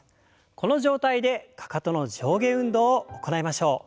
この状態でかかとの上下運動を行いましょう。